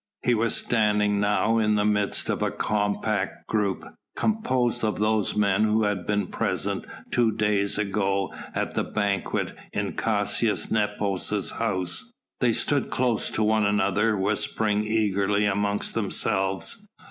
He was standing now in the midst of a compact group composed of those men who had been present two days ago at the banquet in Caius Nepos' house. They stood close to one another whispering eagerly amongst themselves.